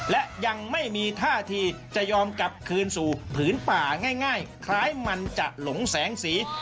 และยังไม่มีท่าทีจะยอมกลับคืนสู่ผืนป่าง่ายคล้ายมันจะหลงแสงสี